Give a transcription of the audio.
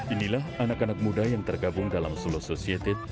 inilah anak anak muda yang tergabung dalam solo sociated